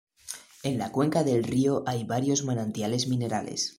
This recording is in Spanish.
En la cuenca del río hay varios manantiales minerales.